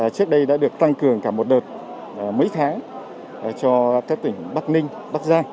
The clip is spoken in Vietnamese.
trước đây đã được tăng cường cả một đợt mấy tháng cho các tỉnh bắc ninh bắc giang